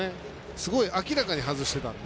すごい明らかに外してたんで。